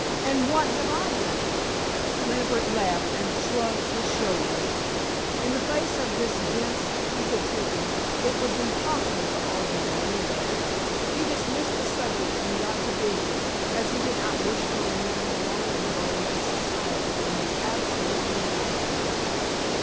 "And what have I done?" Lambert laughed and shrugged his shoulders. In the face of this dense egotism, it was impossible to argue in any way. He dismissed the subject and got to business, as he did not wish to remain longer in Garvington's society than was absolutely necessary.